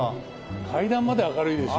階段まで明るいですよ。